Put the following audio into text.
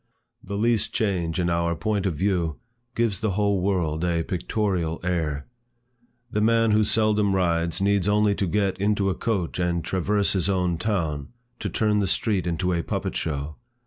The least change in our point of view, gives the whole world a pictorial air. A man who seldom rides, needs only to get into a coach and traverse his own town, to turn the street into a puppet show.